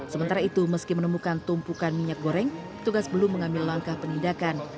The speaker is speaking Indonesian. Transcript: sementara itu meski menemukan tumpukan minyak goreng petugas belum mengambil langkah penindakan